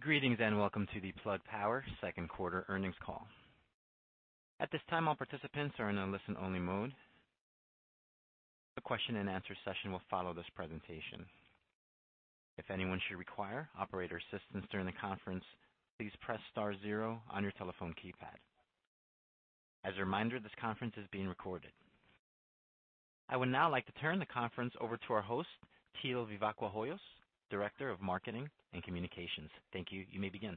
Greetings and welcome to the Plug Power second quarter earnings call. At this time, all participants are in a listen-only mode. A question and answer session will follow this presentation. If anyone should require operator assistance during the conference, please press star zero on your telephone keypad. As a reminder, this conference is being recorded. I would now like to turn the conference over to our host, Teal Vivacqua Hoyos, Director of Marketing and Communications. Thank you. You may begin.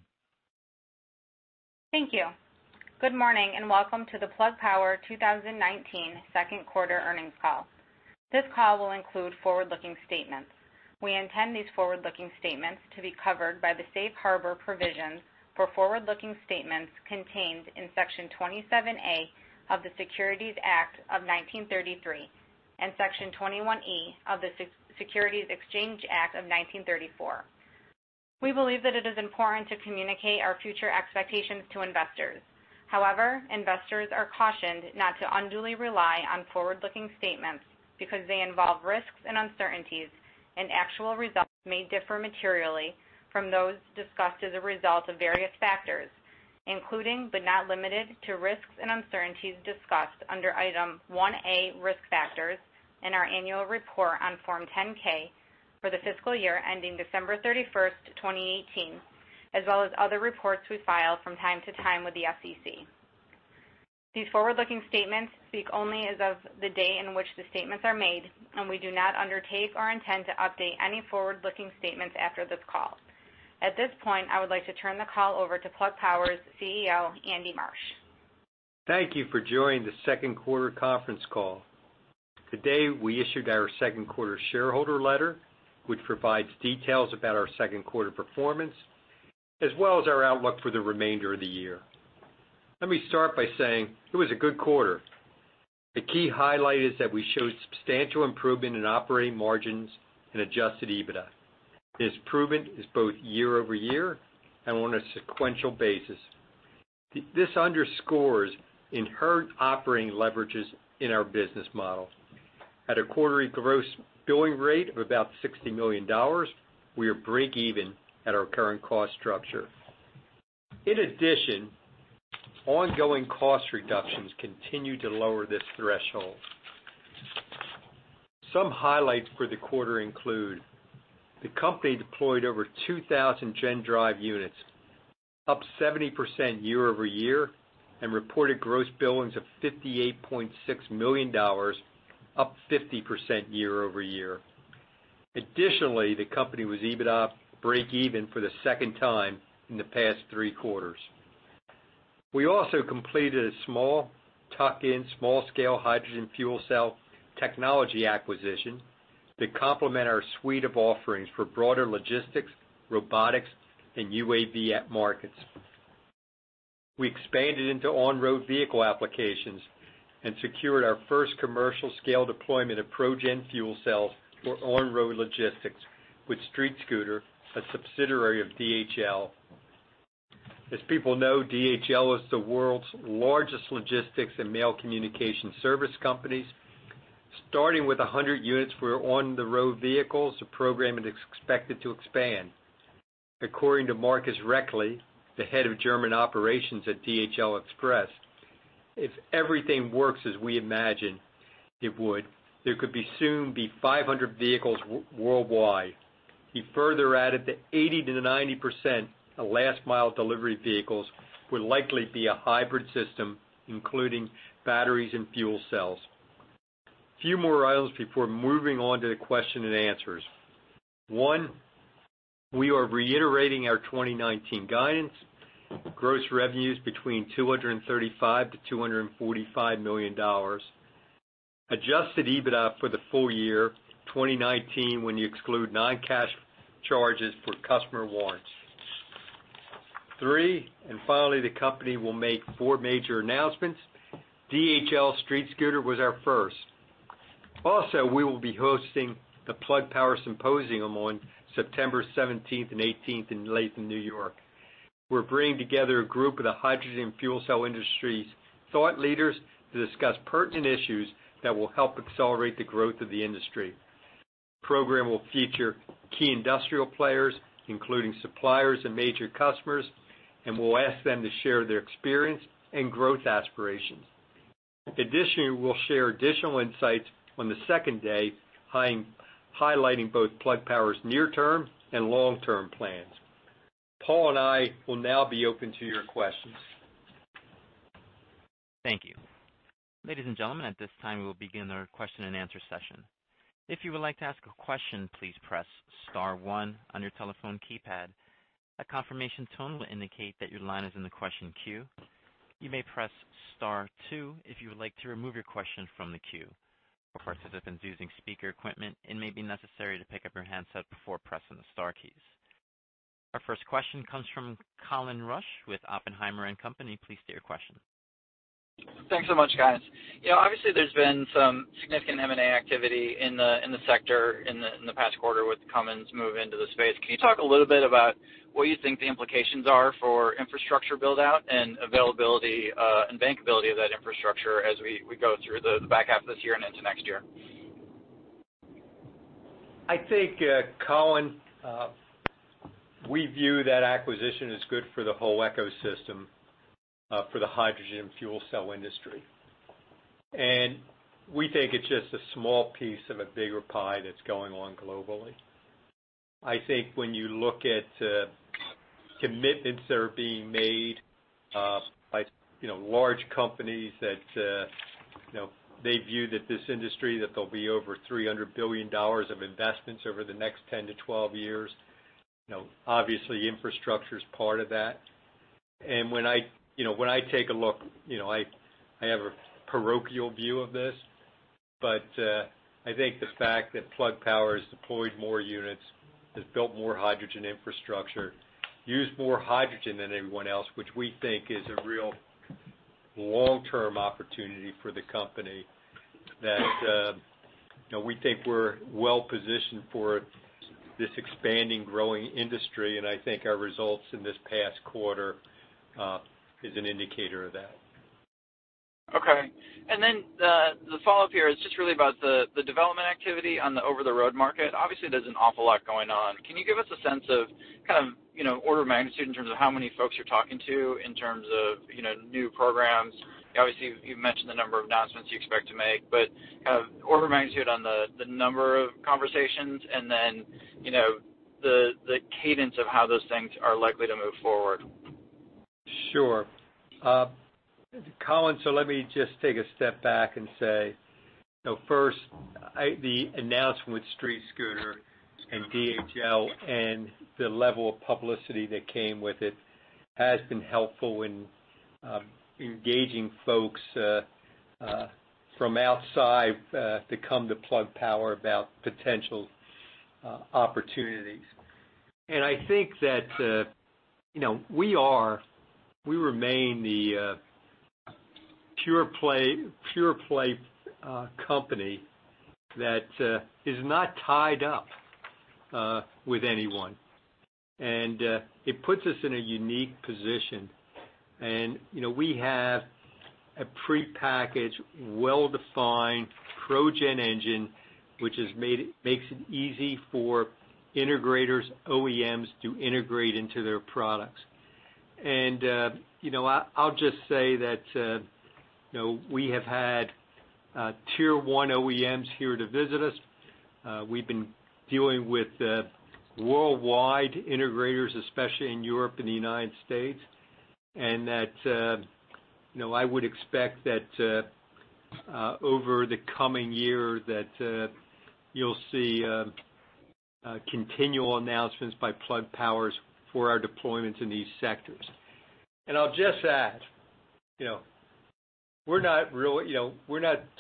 Thank you. Good morning and welcome to the Plug Power 2019 second quarter earnings call. This call will include forward-looking statements. We intend these forward-looking statements to be covered by the safe harbor provisions for forward-looking statements contained in Section 27A of the Securities Act of 1933 and Section 21E of the Securities Exchange Act of 1934. We believe that it is important to communicate our future expectations to investors. However, investors are cautioned not to unduly rely on forward-looking statements because they involve risks and uncertainties, and actual results may differ materially from those discussed as a result of various factors, including but not limited to, risks and uncertainties discussed under Item 1A, Risk Factors, in our annual report on Form 10-K for the fiscal year ending December 31st, 2018, as well as other reports we file from time to time with the SEC. These forward-looking statements speak only as of the day in which the statements are made, and we do not undertake or intend to update any forward-looking statements after this call. At this point, I would like to turn the call over to Plug Power's CEO, Andy Marsh. Thank you for joining the second quarter conference call. Today, we issued our second-quarter shareholder letter, which provides details about our second-quarter performance, as well as our outlook for the remainder of the year. Let me start by saying it was a good quarter. The key highlight is that we showed substantial improvement in operating margins and adjusted EBITDA. This improvement is both year-over-year and on a sequential basis. This underscores inherent operating leverages in our business model. At a quarterly gross billing rate of about $60 million, we are breakeven at our current cost structure. In addition, ongoing cost reductions continue to lower this threshold. Some highlights for the quarter include the company deployed over 2,000 GenDrive units, up 70% year-over-year, and reported gross billings of $58.6 million, up 50% year-over-year. Additionally, the company was EBITDA break even for the second time in the past three quarters. We also completed a small tuck-in, small scale hydrogen fuel cells technology acquisition to complement our suite of offerings for broader logistics, robotics, and UAV markets. We expanded into on-road vehicle applications and secured our first commercial scale deployment of ProGen fuel cells for on-road logistics with StreetScooter, a subsidiary of DHL. As people know, DHL is the world's largest logistics and mail communication service company. Starting with 100 units for on-the-road vehicles, the program is expected to expand. According to Markus Reckling, the head of German operations at DHL Express, "If everything works as we imagine it would, there could soon be 500 vehicles worldwide." He further added that 80%-90% of last mile delivery vehicles would likely be a hybrid system, including batteries and fuel cells. Few more items before moving on to the question and answers. One, we are reiterating our 2019 guidance, gross revenues between $235 million-$245 million, adjusted EBITDA for the full year 2019 when you exclude non-cash charges for customer warrants. Three, finally, the company will make four major announcements. DHL StreetScooter was our first. Also, we will be hosting the Plug Power Symposium on September 17th and 18th in Latham, New York. We're bringing together a group of the hydrogen fuel cell industry's thought leaders to discuss pertinent issues that will help accelerate the growth of the industry. The program will feature key industrial players, including suppliers and major customers. We'll ask them to share their experience and growth aspirations. Additionally, we'll share additional insights on the second day, highlighting both Plug Power's near-term and long-term plans. Paul and I will now be open to your questions. Thank you. Ladies and gentlemen, at this time, we will begin our question and answer session. If you would like to ask a question, please press star one on your telephone keypad. A confirmation tone will indicate that your line is in the question queue. You may press star two if you would like to remove your question from the queue. For participants using speaker equipment, it may be necessary to pick up your handset before pressing the star keys. Our first question comes from Colin Rusch with Oppenheimer & Co. Please state your question. Thanks so much, guys. Obviously, there's been some significant M&A activity in the sector in the past quarter with Cummins move into the space. Can you talk a little bit about what you think the implications are for infrastructure build-out and availability and bankability of that infrastructure as we go through the back half of this year and into next year? I think, Colin, we view that acquisition as good for the whole ecosystem for the hydrogen fuel cell industry. We think it's just a small piece of a bigger pie that's going on globally. I think when you look at commitments that are being made by large companies that they view that this industry, that there'll be over $300 billion of investments over the next 10 to 12 years, obviously, infrastructure is part of that. When I take a look, I have a parochial view of this, but I think the fact that Plug Power has deployed more units, has built more hydrogen infrastructure, used more hydrogen than everyone else, which we think is a real long-term opportunity for the company, that we think we're well-positioned for this expanding, growing industry, and I think our results in this past quarter is an indicator of that. Okay. The follow-up here is just really about the development activity on the over-the-road market. Obviously, there's an awful lot going on. Can you give us a sense of kind of order of magnitude in terms of how many folks you're talking to in terms of new programs? Obviously, you've mentioned the number of announcements you expect to make, kind of order of magnitude on the number of conversations and then the cadence of how those things are likely to move forward. Sure. Colin, let me just take a step back and say, first, the announcement with StreetScooter and DHL and the level of publicity that came with it has been helpful in engaging folks from outside to come to Plug Power about potential opportunities. I think that we remain the pure-play company that is not tied up with anyone, and it puts us in a unique position. We have a prepackaged, well-defined ProGen engine, which makes it easy for integrators, OEMs to integrate into their products. I'll just say that we have had tier-one OEMs here to visit us. We've been dealing with worldwide integrators, especially in Europe and the United States, and that I would expect that over the coming year that you'll see continual announcements by Plug Power for our deployments in these sectors. I'll just add, we're not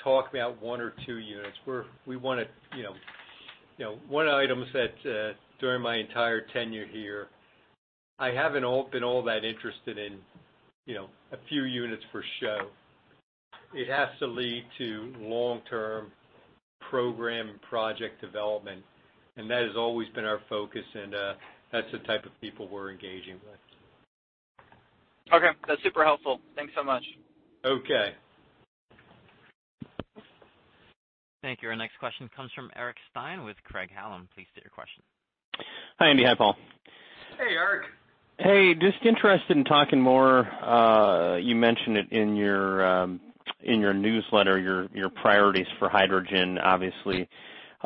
talking about one or two units. One item is that during my entire tenure here, I haven't been all that interested in a few units per show. It has to lead to long-term program and project development, and that has always been our focus, and that's the type of people we're engaging with. Okay. That's super helpful. Thanks so much. Okay. Thank you. Our next question comes from Eric Stine with Craig-Hallum. Please state your question. Hi, Andy. Hi, Paul. Hey, Eric. Hey, just interested in talking more, you mentioned it in your newsletter, your priorities for hydrogen, obviously,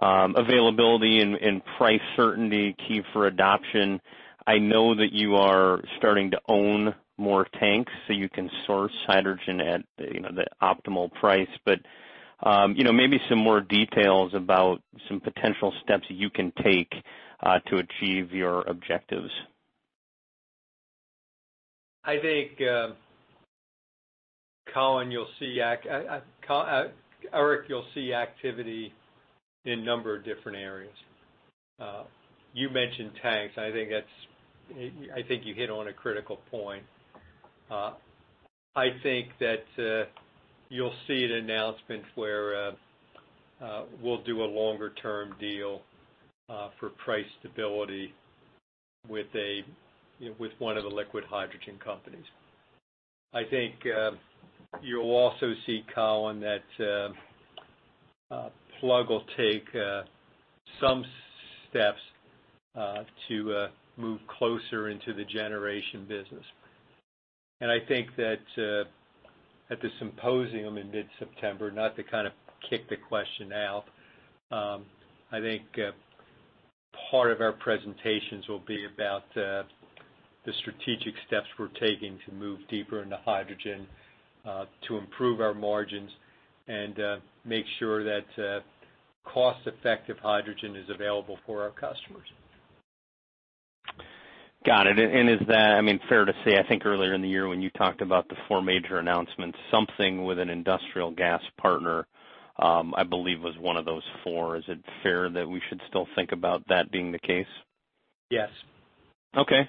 availability and price certainty, key for adoption? I know that you are starting to own more tanks so you can source hydrogen at the optimal price. Maybe some more details about some potential steps that you can take to achieve your objectives. I think, Eric, you'll see activity in a number of different areas. You mentioned tanks. I think you hit on a critical point. I think that you'll see an announcement where we'll do a longer-term deal for price stability with one of the liquid hydrogen companies. I think you'll also see, Colin, that Plug will take some steps to move closer into the generation business. I think that at the symposium in mid-September, not to kind of kick the question out, I think part of our presentations will be about the strategic steps we're taking to move deeper into hydrogen to improve our margins and make sure that cost-effective hydrogen is available for our customers. Got it. Is that fair to say, I think earlier in the year when you talked about the four major announcements, something with an industrial gas partner, I believe, was one of those four. Is it fair that we should still think about that being the case? Yes. Okay.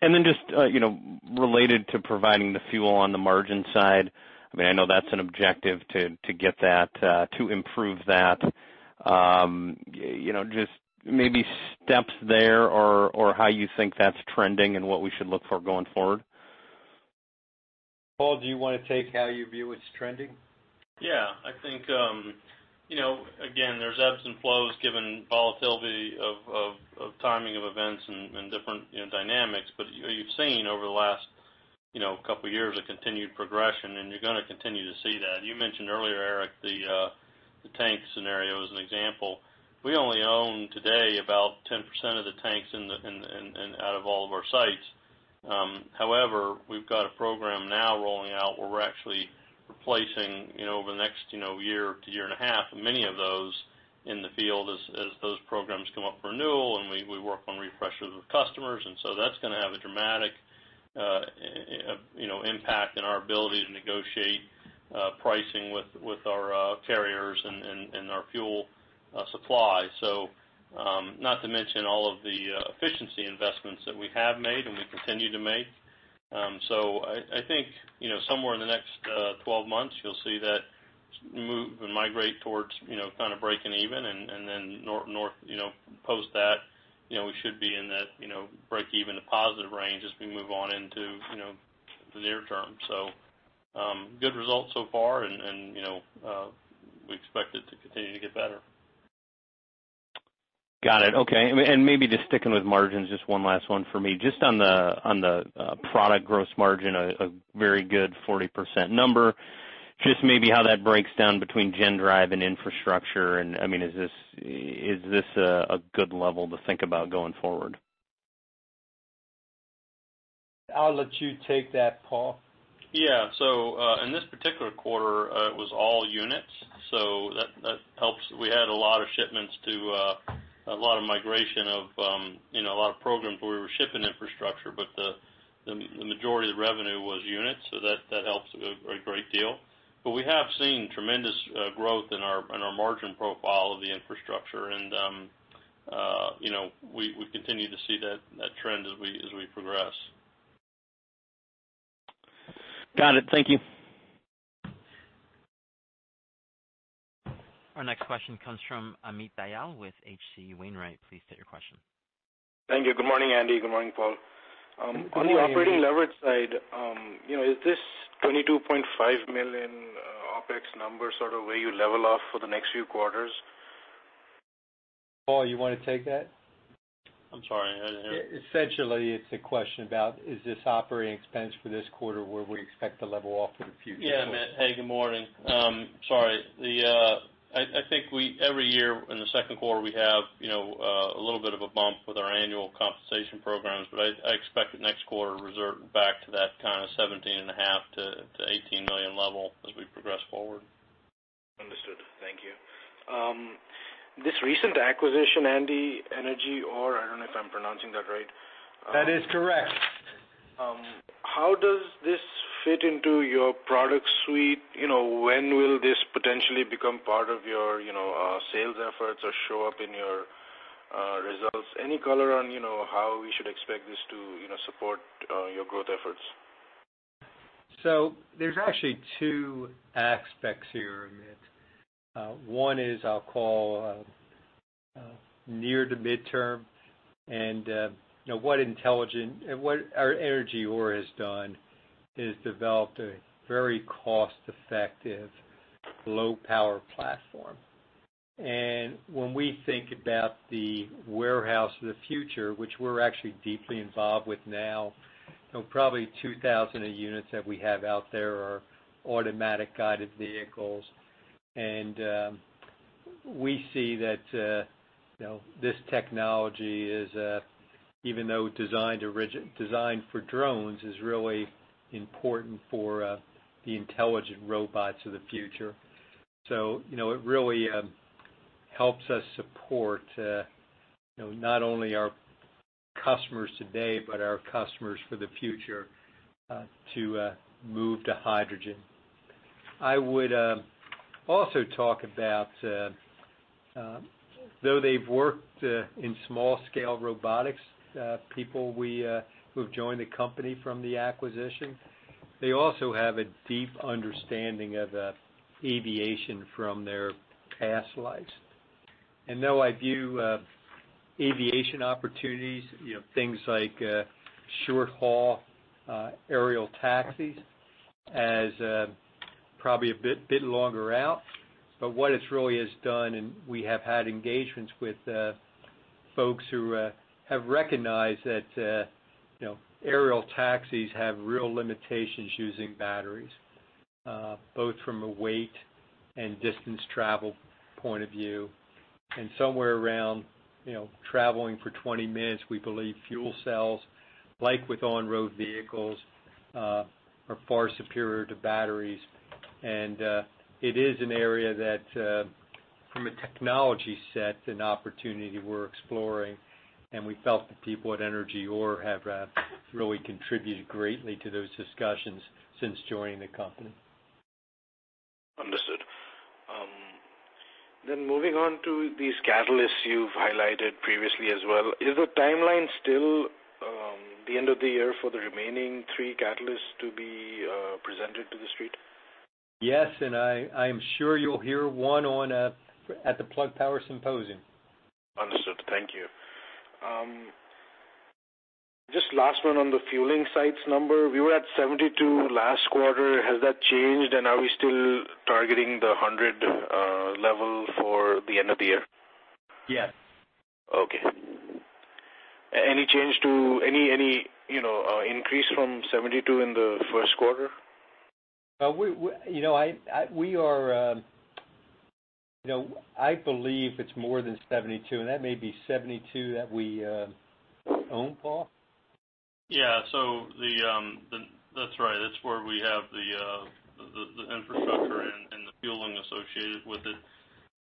Just related to providing the fuel on the margin side, I know that's an objective to improve that. Just maybe steps there or how you think that's trending and what we should look for going forward? Paul, do you want to take how you view it's trending? Yeah. I think, again, there's ebbs and flows given volatility of timing of events and different dynamics. You've seen over the last couple of years a continued progression, and you're going to continue to see that. You mentioned earlier, Eric, the tank scenario as an example. We only own today about 10% of the tanks out of all of our sites. We've got a program now rolling out where we're actually replacing over the next year to year and a half, many of those in the field as those programs come up for renewal, and we work on refreshes with customers. That's going to have a dramatic impact in our ability to negotiate pricing with our carriers and our fuel supply. Not to mention all of the efficiency investments that we have made and we continue to make. I think, somewhere in the next 12 months, you'll see that move and migrate towards kind of breaking even. Post that, we should be in that breakeven to positive range as we move on into the near term. Good results so far and we expect it to continue to get better. Got it. Okay. Maybe just sticking with margins, just one last one for me. Just on the product gross margin, a very good 40% number. Just maybe how that breaks down between GenDrive and infrastructure, and is this a good level to think about going forward? I'll let you take that, Paul. Yeah. In this particular quarter, it was all units, so that helps. We had a lot of shipments to a lot of migration of a lot of programs where we were shipping infrastructure, but the majority of the revenue was units, so that helps a great deal. We have seen tremendous growth in our margin profile of the infrastructure and we continue to see that trend as we progress. Got it. Thank you. Our next question comes from Amit Dayal with H.C. Wainwright. Please state your question. Thank you. Good morning, Andy. Good morning, Paul. Good morning, Amit. On the operating leverage side, is this $22.5 million OpEx number sort of where you level off for the next few quarters? Paul, you want to take that? I'm sorry, I didn't hear. It's a question about, is this operating expense for this quarter where we expect to level off for the future? Yeah, Amit. Hey, good morning. Sorry. I think every year in the second quarter, we have a little bit of a bump with our annual compensation programs. I expect that next quarter to resort back to that kind of $17.5 million-$18 million level as we progress forward. Understood. Thank you. This recent acquisition, Andy, EnergyOr, I don't know if I'm pronouncing that right. That is correct. How does this fit into your product suite? When will this potentially become part of your sales efforts or show up in your results? Any color on how we should expect this to support your growth efforts? There's actually two aspects here, Amit. One is I'll call near to midterm. What EnergyOr has done is developed a very cost-effective low-power platform. When we think about the warehouse of the future, which we're actually deeply involved with now, probably 2,000 units that we have out there are automatic guided vehicles. We see that this technology is, even though designed for drones, is really important for the intelligent robots of the future. It really helps us support not only our customers today, but our customers for the future to move to hydrogen. I would also talk about, though they've worked in small-scale robotics, people who have joined the company from the acquisition, they also have a deep understanding of aviation from their past lives. Though I view aviation opportunities, things like short-haul aerial taxis, as probably a bit longer out, what it really has done, and we have had engagements with folks who have recognized that aerial taxis have real limitations using batteries, both from a weight and distance travel point of view. Somewhere around traveling for 20 minutes, we believe fuel cells, like with on-road vehicles, are far superior to batteries. It is an area that, from a technology set, an opportunity we're exploring, and we felt the people at EnergyOr have really contributed greatly to those discussions since joining the company. Understood. Moving on to these catalysts you've highlighted previously as well, is the timeline still the end of the year for the remaining three catalysts to be presented to the street? Yes, I am sure you'll hear one at the Plug Power Symposium. Understood. Thank you. Just last one on the fueling sites number. We were at 72 last quarter. Has that changed, and are we still targeting the 100 level for the end of the year? Yes. Okay. Any increase from 72 in the first quarter? I believe it's more than 72, and that may be 72 that we own, Paul? Yeah. That's right. That's where we have the infrastructure and the fueling associated with it.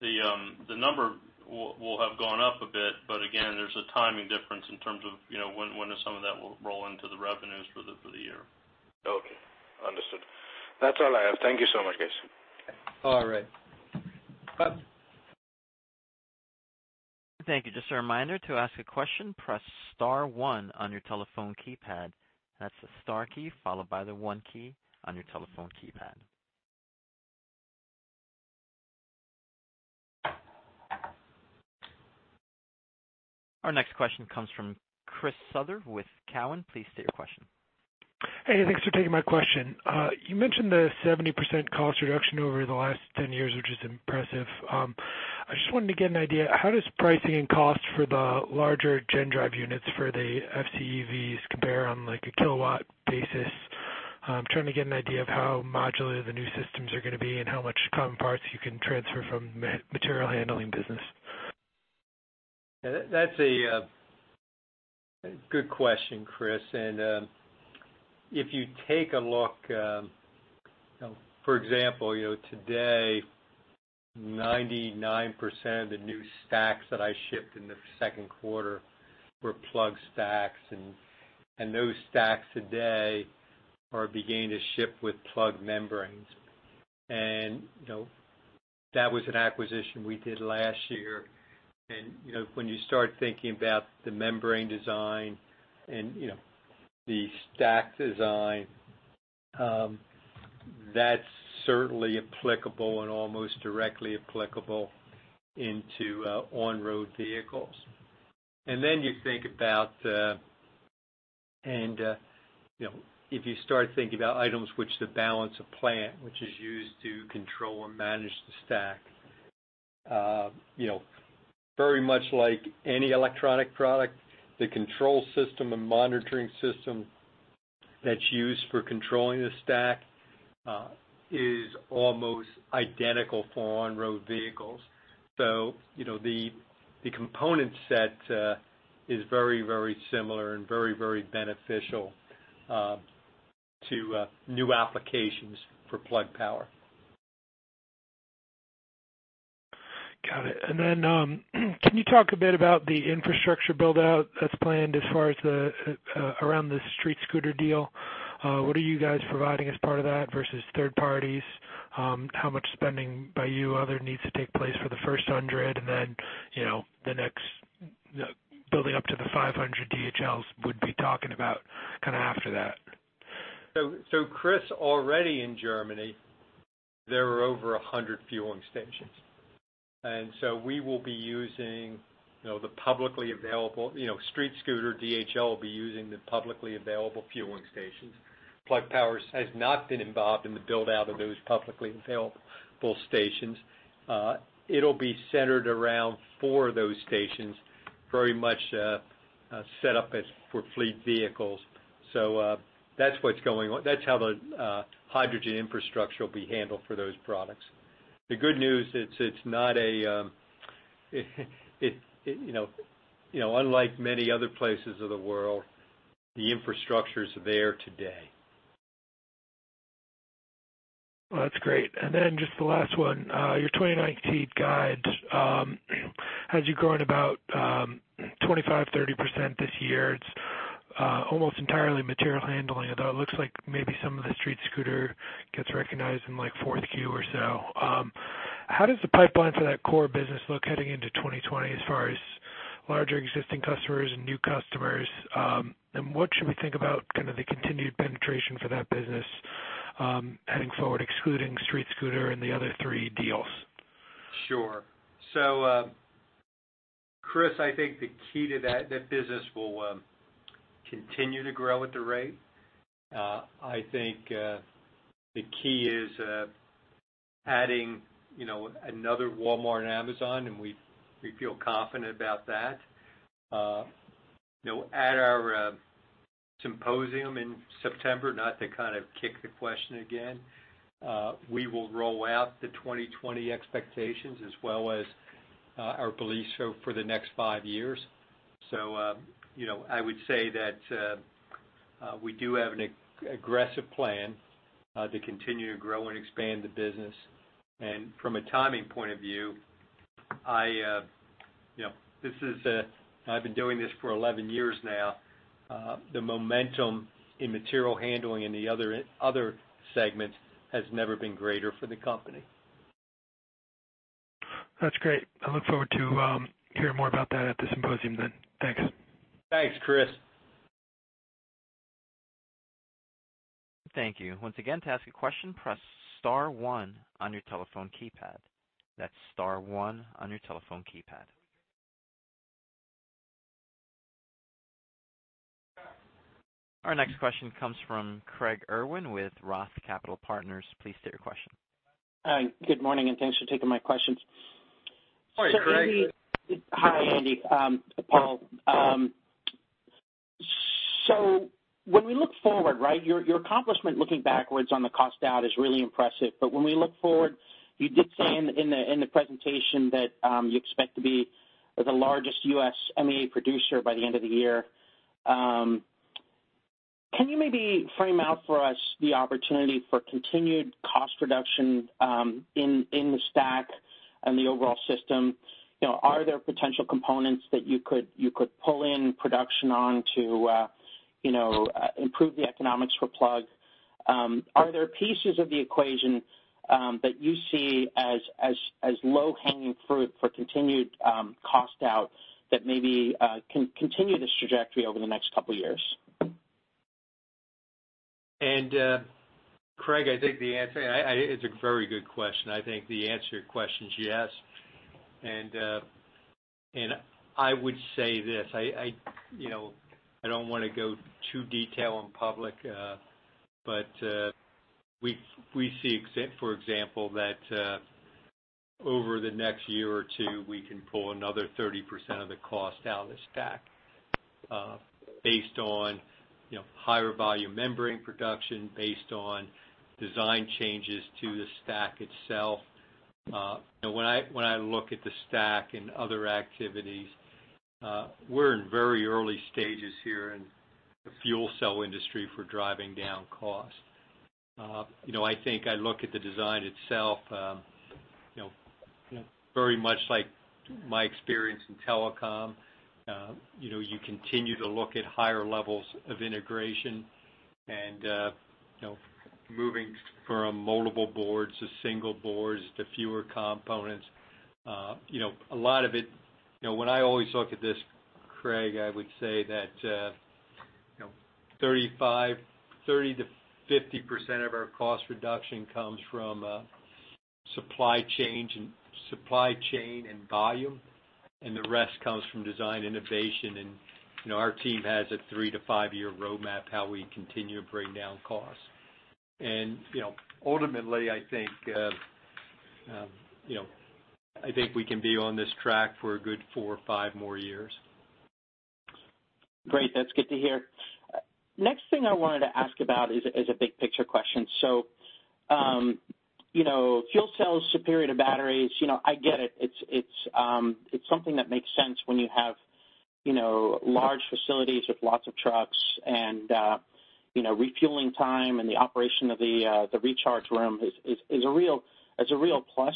The number will have gone up a bit, but again, there's a timing difference in terms of when some of that will roll into the revenues for the year. Okay. Understood. That's all I have. Thank you so much, guys. Okay. All right. Bye. Thank you. Just a reminder, to ask a question, press star one on your telephone keypad. That's the star key followed by the one key on your telephone keypad. Our next question comes from Chris Souther with Cowen. Please state your question. Hey, thanks for taking my question. You mentioned the 70% cost reduction over the last 10 years, which is impressive. I just wanted to get an idea, how does pricing and cost for the larger GenDrive units for the FCEVs compare on a kilowatt basis? I'm trying to get an idea of how modular the new systems are going to be and how much common parts you can transfer from material handling business. That's a good question, Chris. If you take a look, for example, today, 99% of the new stacks that I shipped in the second quarter were Plug stacks, and those stacks today are beginning to ship with Plug membranes. That was an acquisition we did last year. When you start thinking about the membrane design and the stack design, that's certainly applicable and almost directly applicable into on-road vehicles. If you start thinking about items which the balance of plant, which is used to control and manage the stack, very much like any electronic product, the control system and monitoring system that's used for controlling the stack is almost identical for on-road vehicles. The component set is very similar and very beneficial to new applications for Plug Power. Got it. Can you talk a bit about the infrastructure build-out that's planned as far as around the StreetScooter deal? What are you guys providing as part of that versus third parties? How much spending by you other needs to take place for the first 100 and then building up to the 500 DHLs would be talking about after that? Chris, already in Germany, there are over 100 fueling stations. We will be using the publicly available, StreetScooter, DHL will be using the publicly available fueling stations. Plug Power has not been involved in the build-out of those publicly available stations. It'll be centered around four of those stations, very much set up for fleet vehicles. That's what's going on. That's how the hydrogen infrastructure will be handled for those products. The good news, unlike many other places of the world, the infrastructure is there today. Well, that's great. Then just the last one, your 2019 guide has you growing about 25%, 30% this year. It's almost entirely material handling, although it looks like maybe some of the StreetScooter gets recognized in fourth Q or so. How does the pipeline for that core business look heading into 2020 as far as larger existing customers and new customers? What should we think about kind of the continued penetration for that business heading forward, excluding StreetScooter and the other three deals? Sure. Chris, I think the key to that business will continue to grow at the rate. I think the key is adding another Walmart and Amazon, and we feel confident about that. At our Symposium in September, not to kind of kick the question again, we will roll out the 2020 expectations as well as our beliefs for the next five years. I would say that we do have an aggressive plan to continue to grow and expand the business. From a timing point of view, I've been doing this for 11 years now. The momentum in material handling and the other segments has never been greater for the company. That's great. I look forward to hearing more about that at the Symposium then. Thanks. Thanks, Chris. Thank you. Once again, to ask a question, press star one on your telephone keypad. That's star one on your telephone keypad. Our next question comes from Craig Irwin with Roth Capital Partners. Please state your question. Hi, good morning, and thanks for taking my questions. Morning, Craig. Hi, Andy, Paul. When we look forward, right, your accomplishment looking backwards on the cost out is really impressive. When we look forward, you did say in the presentation that you expect to be the largest U.S. MEA producer by the end of the year. Can you maybe frame out for us the opportunity for continued cost reduction in the stack and the overall system? Are there potential components that you could pull in production on to improve the economics for Plug? Are there pieces of the equation that you see as low-hanging fruit for continued cost out that maybe can continue this trajectory over the next couple of years? Craig, it's a very good question. I think the answer to your question is yes. I would say this, I don't want to go too detail in public, but we see, for example, that over the next year or two, we can pull another 30% of the cost out of the stack based on higher volume membrane production, based on design changes to the stack itself. When I look at the stack and other activities, we're in very early stages here in the fuel cell industry for driving down cost. I think I look at the design itself, very much like my experience in telecom. You continue to look at higher levels of integration and moving from multiple boards to single boards to fewer components. A lot of it, when I always look at this, Craig, I would say that 30%-50% of our cost reduction comes from supply chain and volume, and the rest comes from design innovation. Our team has a three to five-year roadmap, how we continue to bring down costs. Ultimately, I think we can be on this track for a good four or five more years. Great. That's good to hear. Next thing I wanted to ask about is a big-picture question. Fuel cells superior to batteries. I get it. It's something that makes sense when you have large facilities with lots of trucks and refueling time and the operation of the recharge room is a real plus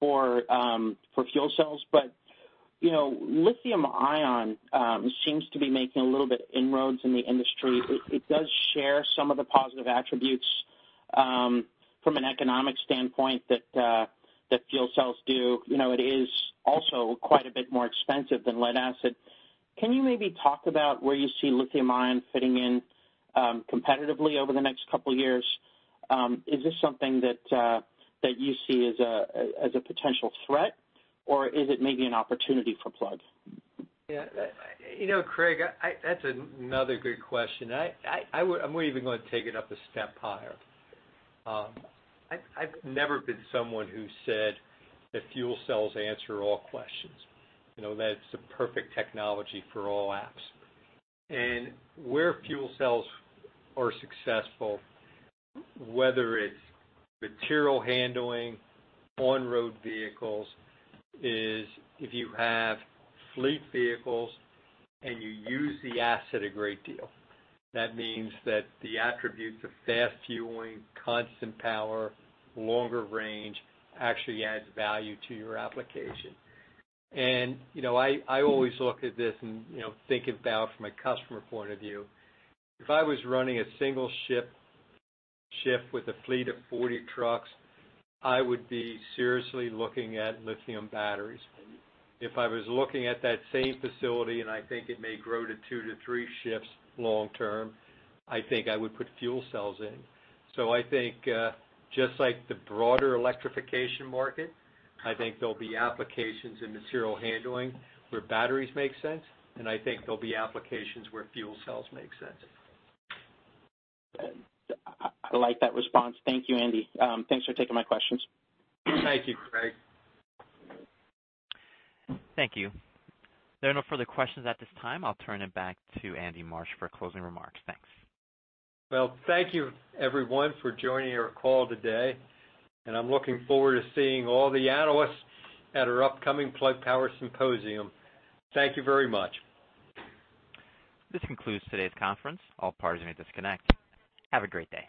for fuel cells. Lithium-ion seems to be making a little bit inroads in the industry. It does share some of the positive attributes from an economic standpoint that fuel cells do. It is also quite a bit more expensive than lead acid. Can you maybe talk about where you see lithium-ion fitting in competitively over the next couple of years? Is this something that you see as a potential threat, or is it maybe an opportunity for Plug? Yeah. Craig, that's another good question. I'm even going to take it up a step higher. I've never been someone who said that fuel cells answer all questions, that it's a perfect technology for all apps. Where fuel cells are successful, whether it's material handling on-road vehicles, is if you have fleet vehicles and you use the asset a great deal. That means that the attributes of fast fueling, constant power, longer range actually adds value to your application. I always look at this and think about it from a customer point of view. If I was running a single shift with a fleet of 40 trucks, I would be seriously looking at lithium batteries. If I was looking at that same facility, and I think it may grow to two to three shifts long-term, I think I would put fuel cells in. I think just like the broader electrification market, I think there'll be applications in material handling where batteries make sense, and I think there'll be applications where fuel cells make sense. I like that response. Thank you, Andy. Thanks for taking my questions. Thank you, Craig. Thank you. There are no further questions at this time. I'll turn it back to Andy Marsh for closing remarks. Thanks. Thank you everyone for joining our call today, and I'm looking forward to seeing all the analysts at our upcoming Plug Power Symposium. Thank you very much. This concludes today's conference. All parties may disconnect. Have a great day.